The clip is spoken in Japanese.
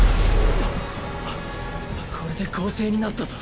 これで「公正」になったぞ。